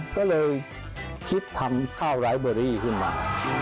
ก็เลยคิดทำข้าวไร้เบอรี่ขึ้นมา